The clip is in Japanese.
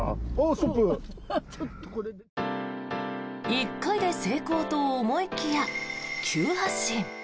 １回で成功と思いきや急発進。